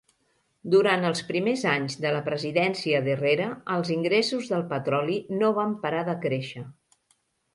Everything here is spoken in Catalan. Durant els primers anys de la presidència d'Herrera, els ingressos del petroli no van parar de créixer.